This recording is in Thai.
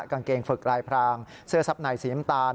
กางเกงฝึกลายพรางเสื้อทรัพย์ไหนสีน้ำตาล